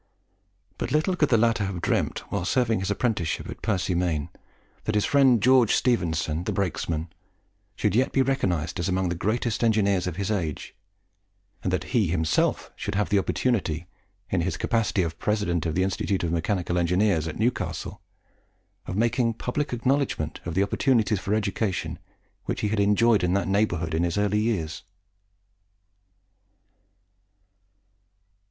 But little could the latter have dreamt, while serving his apprenticeship at Percy Main, that his friend George Stephenson, the brakesman, should yet be recognised as among the greatest engineers of his age, and that he himself should have the opportunity, in his capacity of President of the Institute of Mechanical Engineers at Newcastle, of making public acknowledgment of the opportunities for education which he had enjoyed in that neighbourhood in his early years.